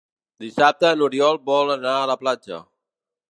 Dissabte n'Oriol vol anar a la platja.